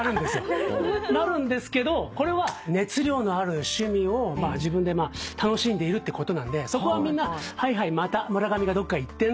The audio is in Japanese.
なるんですけどこれは熱量のある趣味を自分でまあ楽しんでいるってことなんでそこはみんな「はいはいまた村上がどっか行ってんぞ」と。